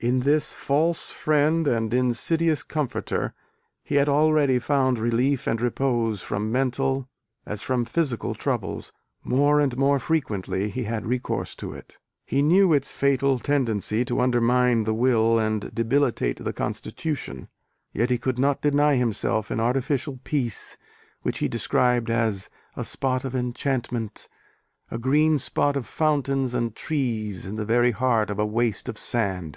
In this false friend and insidious comforter he had already found relief and repose from mental, as from physical troubles, more and more frequently he had recourse to it. He knew its fatal tendency to undermine the will and debilitate the constitution, yet he could not deny himself an artificial peace which he described as "a spot of enchantment, a green spot of fountains and trees in the very heart of a waste of sand."